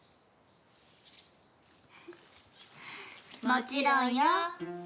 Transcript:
もちろんよ。